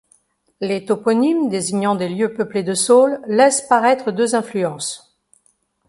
Les toponymes désignant des lieux peuplés de saules laissent paraître deux influences.